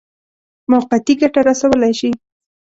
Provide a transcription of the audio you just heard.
موقتي ګټه رسولای شي.